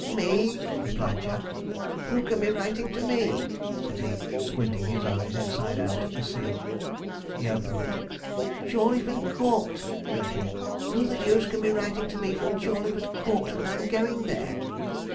'Me!' replied Jack. 'Who can be writing to me?' said he, squinting his eyes inside out at the seal. He opened it: 'Jawleyford Court,' read he. 'Who the deuce can be writing to me from Jawleyford Court when I'm going there?'